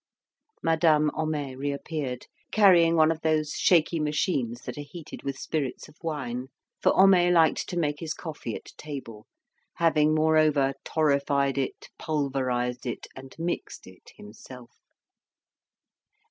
Madame Homais reappeared, carrying one of those shaky machines that are heated with spirits of wine; for Homais liked to make his coffee at table, having, moreover, torrefied it, pulverised it, and mixed it himself.